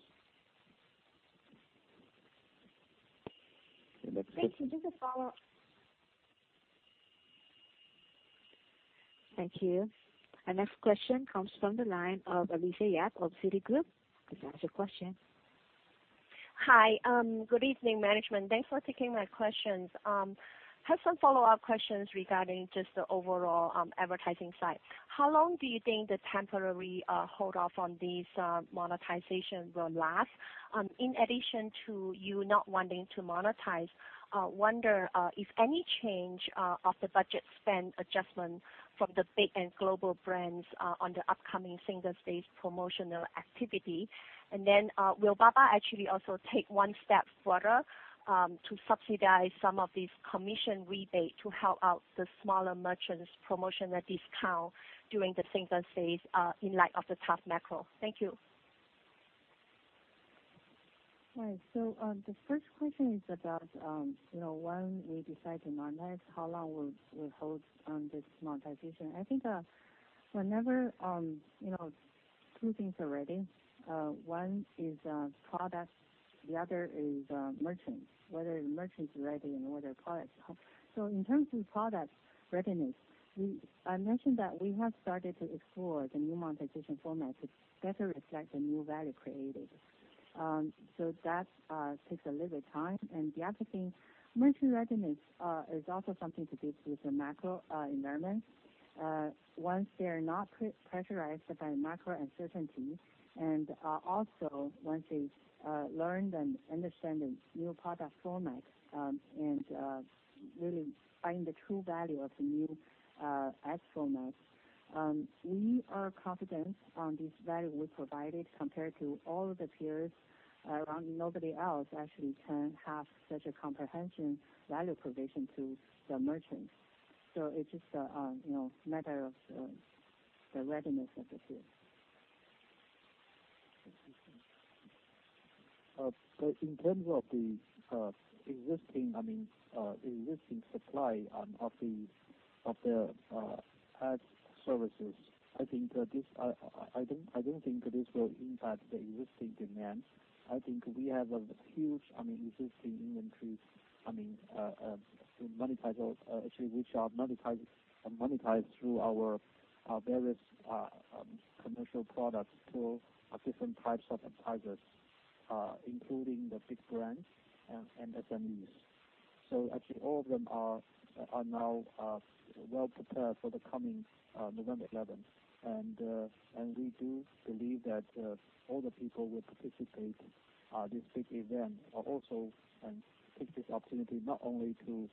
H: Great. Just a follow-up.
A: Thank you. Our next question comes from the line of Alicia Yap of Citigroup. Please ask your question.
I: Hi. Good evening, management. Thanks for taking my questions. I have some follow-up questions regarding just the overall advertising side. How long do you think the temporary hold off on these monetizations will last? In addition to you not wanting to monetize, I wonder if any change of the budget spend adjustment from the big and global brands on the upcoming Singles' Day promotional activity. Will Baba actually also take one step further to subsidize some of these commission rebates to help out the smaller merchants' promotional discount during the Singles' Day in light of the tough macro? Thank you.
E: Right. The first question is about when we decide to monetize, how long we'll hold on this monetization. I think whenever two things are ready, one is product, the other is merchant, whether the merchant is ready and whether the product is. In terms of product readiness, I mentioned that we have started to explore the new monetization formats to better reflect the new value created. That takes a little bit of time. The other thing, merchant readiness is also something to do with the macro environment. Once they're not pressurized by macro uncertainty and also once they learn and understand the new product format and really find the true value of the new ad format. We are confident on this value we provided compared to all the peers around. Nobody else actually can have such a comprehensive value provision to the merchants. It's just a matter of the readiness of the peers.
D: In terms of the existing supply of the ad services, I don't think this will impact the existing demand. I think we have a huge existing inventories which are monetized through our various commercial products to different types of advertisers, including the big brands and SMEs. Actually, all of them are now well-prepared for the coming November 11th. We do believe that all the people will participate this big event, but also take this opportunity not only to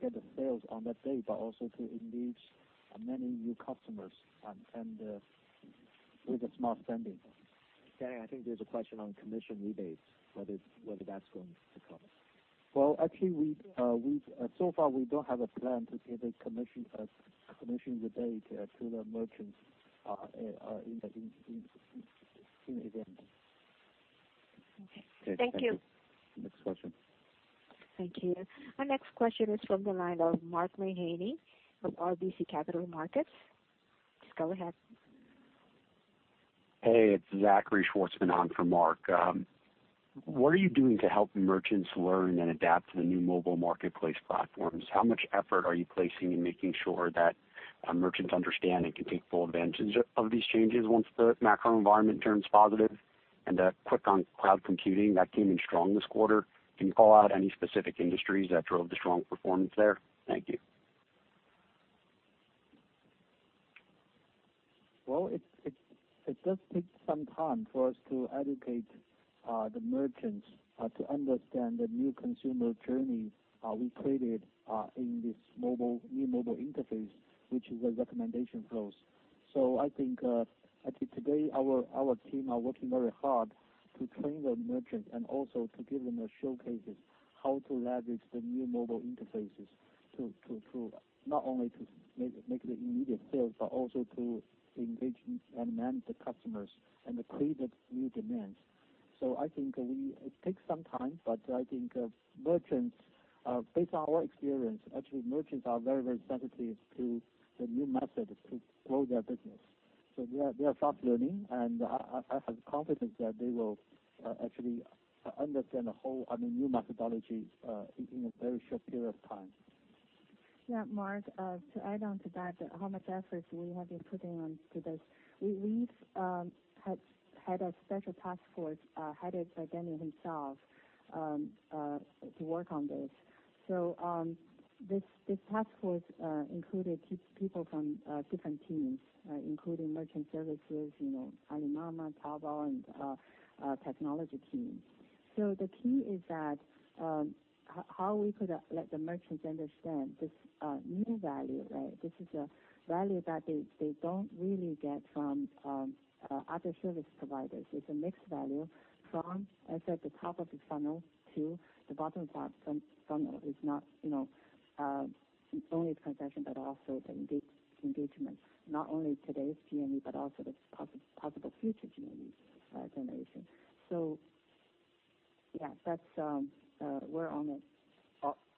D: get the sales on that day, but also to engage many new customers and with a smart spending.
E: Danny, I think there's a question on commission rebates, whether that's going to come.
D: Actually, so far, we don't have a plan to give a commission rebate to the merchants in the event.
I: Okay. Thank you.
D: Next question.
A: Thank you. Our next question is from the line of Mark Mahaney of RBC Capital Markets. Please go ahead.
J: Hey, it's Zachary Schwartzman on for Mark. What are you doing to help merchants learn and adapt to the new mobile marketplace platforms? How much effort are you placing in making sure that our merchants understand and can take full advantage of these changes once the macro environment turns positive. Quick on cloud computing, that came in strong this quarter. Can you call out any specific industries that drove the strong performance there? Thank you.
D: It does take some time for us to educate the merchants to understand the new consumer journey we created in this new mobile interface, which is the recommendation flows. I think today our team are working very hard to train the merchants and also to give them showcases how to leverage the new mobile interfaces, not only to make the immediate sales, but also to engage and manage the customers and create new demands. I think it takes some time, but I think based on our experience, actually, merchants are very sensitive to the new methods to grow their business. They are fast learning, and I have confidence that they will actually understand the whole new methodology in a very short period of time.
E: Yeah, Mark, to add on to that, how much effort we have been putting on to this? We have had a special task force headed by Daniel himself to work on this. This task force included people from different teams. Including merchant services, Alibaba, Taobao, and technology teams. The key is that how we could let the merchants understand this new value. This is a value that they don't really get from other service providers. It's a mixed value from, let's say, the top of the funnel to the bottom part. Funnel is not only transaction, but also the engagement. Not only today's PME, but also the possible future PMEs generation. We're on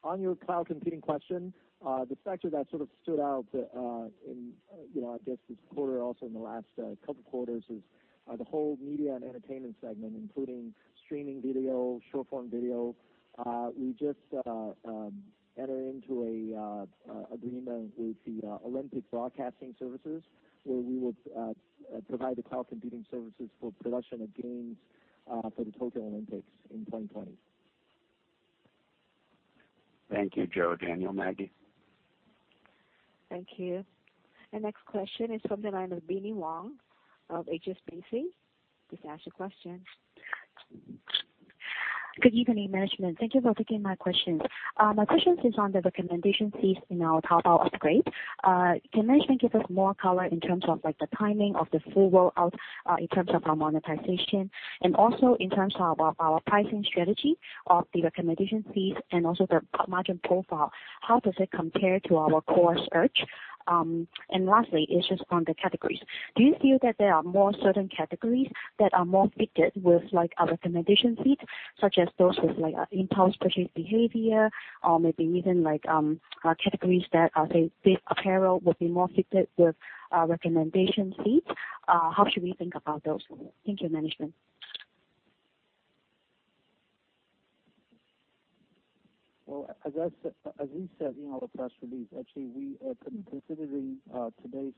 E: it.
C: On your cloud computing question, the sector that sort of stood out in, I guess, this quarter, also in the last couple of quarters, is the whole media and entertainment segment, including streaming video, short-form video. We just entered into an agreement with the Olympic Broadcasting Services, where we would provide the cloud computing services for production of games for the Tokyo Olympics in 2020.
J: Thank you, Joe, Daniel, Maggie.
A: Thank you. The next question is from the line of Binnie Wong of HSBC. Please ask your question.
K: Good evening, management. Thank you for taking my questions. My questions is on the recommendation fees in our Taobao upgrade. Can management give us more color in terms of the timing of the full rollout in terms of our monetization, also in terms of our pricing strategy of the recommendation fees and also the margin profile? How does it compare to our core search? Lastly, it's just on the categories. Do you feel that there are more certain categories that are more fitted with our recommendation feed, such as those with impulse purchase behavior, or maybe even categories that are, say, apparel would be more fitted with our recommendation feed? How should we think about those? Thank you, management.
D: Well, as we said in our press release, actually, considering today's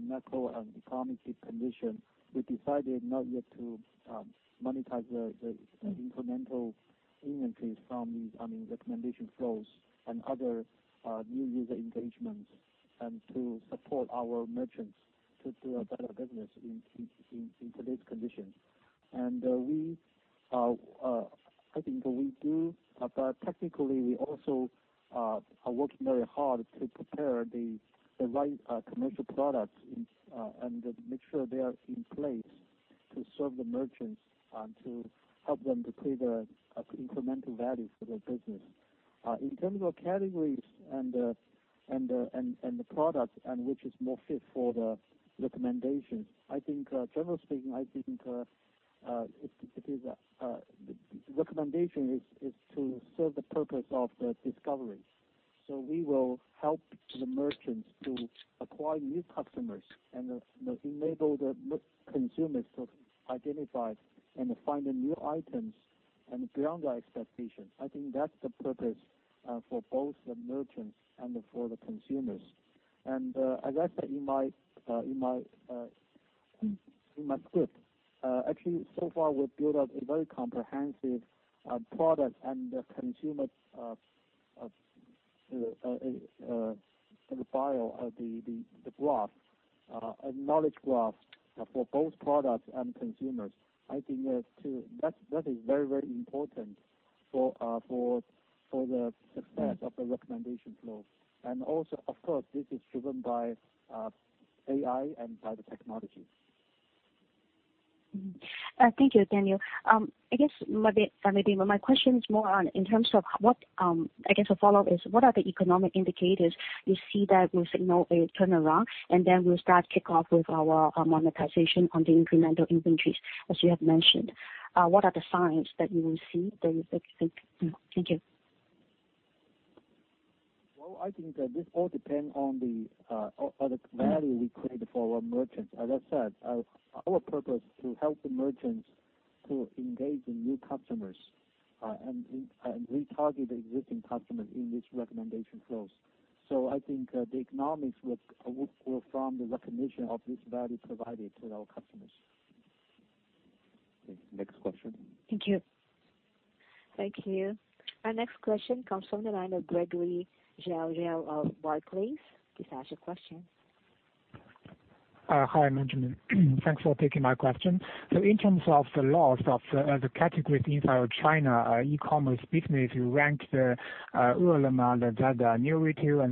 D: macro and economic condition, we decided not yet to monetize the incremental inventories from these recommendation flows and other new user engagements, and to support our merchants to do a better business in today's conditions. I think we do, but technically, we also are working very hard to prepare the right commercial products and make sure they are in place to serve the merchants and to help them to create the incremental value for their business. In terms of categories and the product and which is more fit for the recommendations, I think generally speaking, recommendation is to serve the purpose of the discovery. We will help the merchants to acquire new customers and enable the consumers to identify and find new items and beyond their expectations. I think that's the purpose for both the merchants and for the consumers. As I said in my script, actually, so far, we've built up a very comprehensive product and consumer profile, the graph, a knowledge graph for both products and consumers. I think that is very important for the success of the recommendation flow. Also, of course, this is driven by AI and by the technology.
K: Thank you, Daniel. I guess a follow-up is, what are the economic indicators you see that will signal a turnaround, and then we'll start kickoff with our monetization on the incremental inventories, as you have mentioned. What are the signs that you will see there, you think? Thank you.
D: Well, I think that this all depends on the value we created for our merchants. As I said, our purpose to help the merchants to engage the new customers and retarget existing customers in this recommendation flows. I think the economics will form the recognition of this value provided to our customers.
B: Okay. Next question.
A: Thank you. Our next question comes from the line of Gregory Zhao, of Barclays. Please ask your question.
L: Hi, Maggie Wu. Thanks for taking my question. In terms of the loss of the categories inside of China, e-commerce business, you ranked the and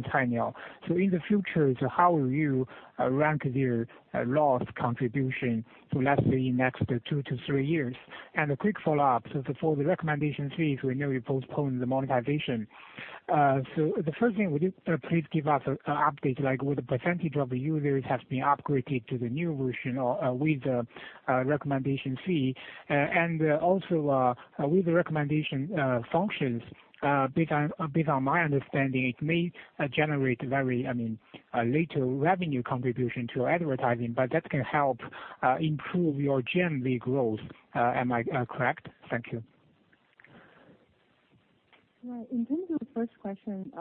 L: Cainiao. In the future, so how will you rank your loss contribution to let's say next two to three years? A quick follow-up. For the recommendation fees, we know you postponed the monetization. The first thing, would you please give us an update, like with the percentage of the users has been upgraded to the new version or with the recommendation fee? Also, with the recommendation functions, based on my understanding, it may generate very little revenue contribution to advertising, but that can help improve your GMV growth. Am I correct? Thank you.
E: Right. In terms of the first question,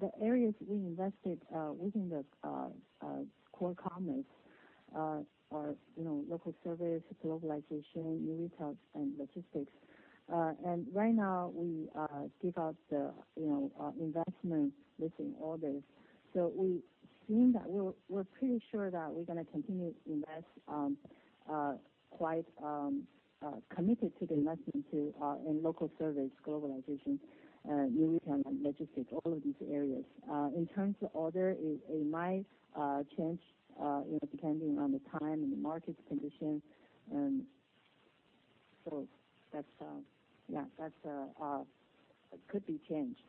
E: the areas we invested within the Core Commerce are local service, globalization, new retail, and logistics. Right now, we give out the investment listing orders. We're pretty sure that we're going to continue to invest, quite committed to the investment in local service, globalization, new retail, and logistics, all of these areas. In terms of order, it might change depending on the time and the market condition. That could be changed.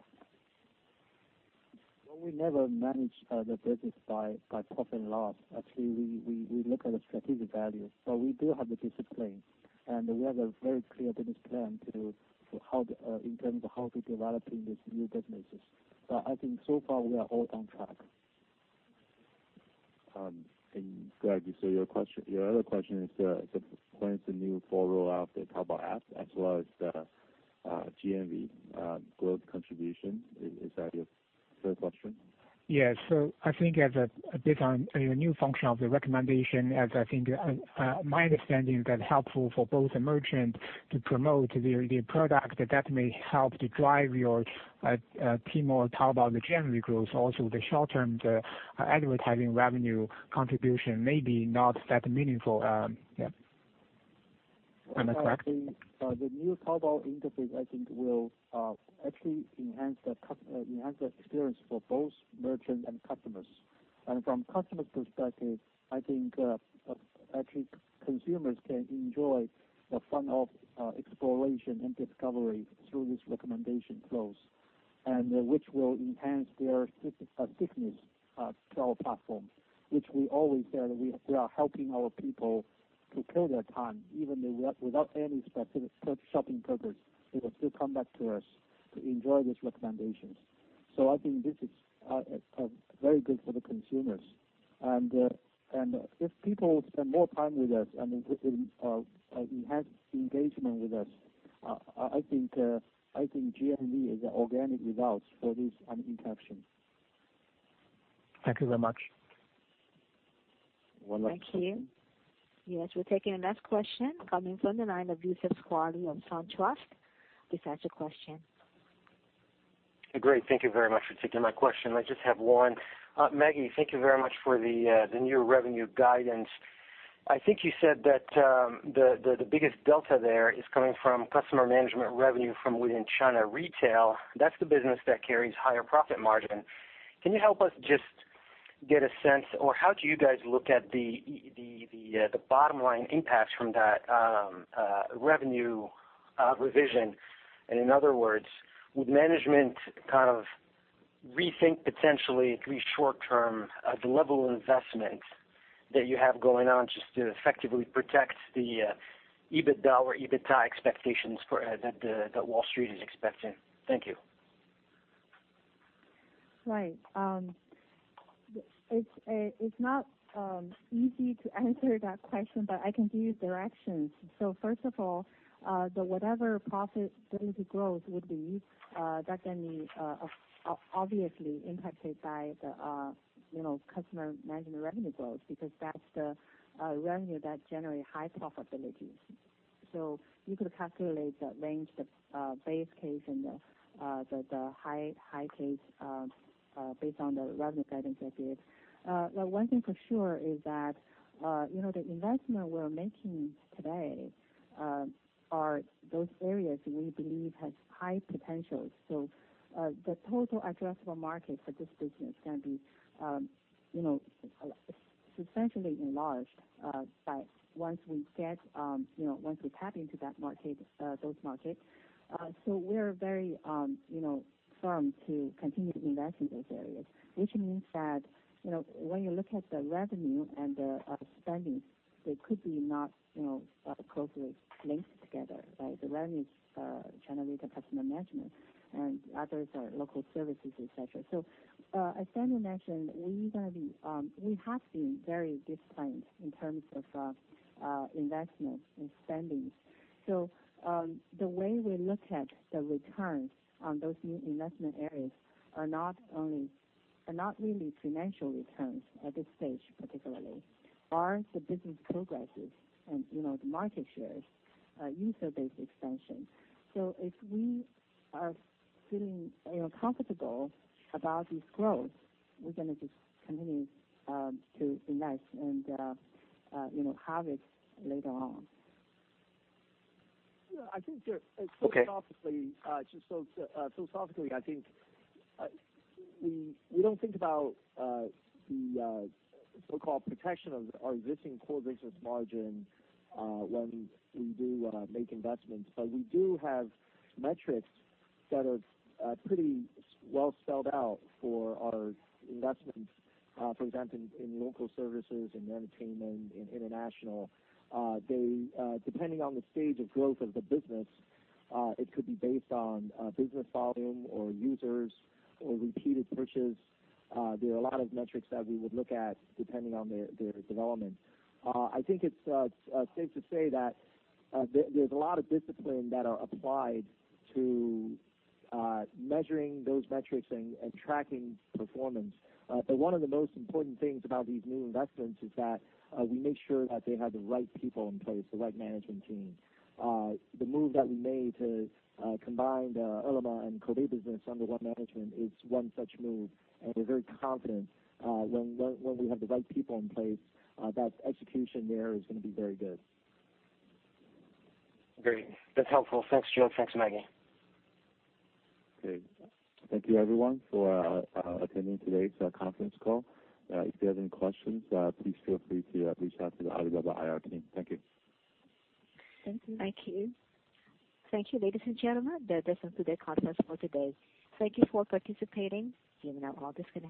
D: Well, we never manage the business by profit and loss. Actually, we look at the strategic value. We do have the discipline, and we have a very clear business plan in terms of how we're developing these new businesses. I think so far, we are all on track.
B: Gregory, your other question is when is the new full rollout of the Taobao app, as well as the GMV growth contribution. Is that your third question?
L: Yes. I think as a new function of the recommendation, my understanding is that helpful for both the merchant to promote their product, that may help to drive your Tmall, Taobao, the GMV growth. The short-term advertising revenue contribution may be not that meaningful. Am I correct?
D: The new Taobao interface, I think, will actually enhance the experience for both merchants and customers. From customer perspective, I think actually consumers can enjoy the fun of exploration and discovery through this recommendation flows, and which will enhance their stickiness to our platforms, which we always say that we are helping our people to kill their time. Even without any specific shopping purpose, they will still come back to us to enjoy these recommendations. I think this is very good for the consumers. If people spend more time with us and enhance engagement with us, I think GMV is the organic results for this interaction.
L: Thank you very much.
B: One last question.
A: Thank you. Yes, we're taking the next question coming from the line of Youssef Squali on SunTrust. Please ask your question.
M: Great. Thank you very much for taking my question. I just have one. Maggie, thank you very much for the new revenue guidance. I think you said that the biggest delta there is coming from customer management revenue from within China retail. That's the business that carries higher profit margin. Can you help us just get a sense, or how do you guys look at the bottom line impacts from that revenue revision? In other words, would management kind of rethink potentially, at least short term, the level of investment that you have going on just to effectively protect the EBITDA or EBITDA expectations that Wall Street is expecting? Thank you.
E: Right. It's not easy to answer that question, but I can give you directions. First of all, whatever profit going to growth would be, that can be obviously impacted by the customer management revenue growth, because that's the revenue that generate high profitability. You could calculate the range, the base case, and the high case based on the revenue guidance I gave. One thing for sure is that the investment we're making today are those areas we believe has high potential. The total addressable market for this business can be substantially enlarged by once we tap into those markets. We're very firm to continue to invest in those areas, which means that when you look at the revenue and the spending, they could be not closely linked together, right? The revenues generate the customer management, and others are local services, et cetera. As Daniel mentioned, we have been very disciplined in terms of investment and spendings. The way we look at the returns on those new investment areas are not really financial returns at this stage, particularly. Or the business progresses and the market shares user base expansion. If we are feeling comfortable about this growth, we're going to just continue to invest and have it later on.
C: Yeah, I think philosophically, I think we don't think about the so-called protection of our existing core business margin when we do make investments. We do have metrics that are pretty well spelled out for our investments. For example, in local services, in entertainment, in international. Depending on the stage of growth of the business, it could be based on business volume or users or repeated purchase. There are a lot of metrics that we would look at depending on their development. I think it's safe to say that there's a lot of discipline that are applied to measuring those metrics and tracking performance. One of the most important things about these new investments is that we make sure that they have the right people in place, the right management team. The move that we made to combine the Ele.me and Koubei business under one management is one such move. We're very confident when we have the right people in place, that execution there is going to be very good.
M: Great. That's helpful. Thanks, Joe. Thanks, Maggie.
B: Okay. Thank you everyone for attending today's conference call. If you have any questions, please feel free to reach out to the Alibaba IR team. Thank you.
E: Thank you.
A: Thank you. Thank you, ladies and gentlemen. That does conclude our conference for today. Thank you for participating. You may now disconnect.